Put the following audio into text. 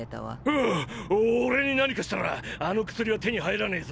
おっ俺に何かしたらあの薬は手に入らねぇぞ！